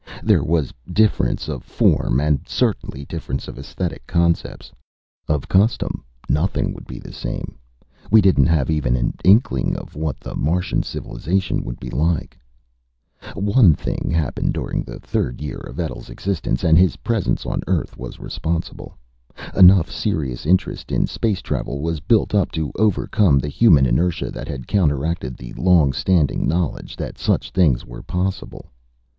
There was difference of form, and certainly difference of esthetic concepts. Of custom, nothing could be the same. We didn't have even an inkling of what the Martian civilization would be like. One thing happened during the third year of Etl's existence. And his presence on Earth was responsible. Enough serious interest in space travel was built up to overcome the human inertia that had counteracted the long standing knowledge that such things were possible.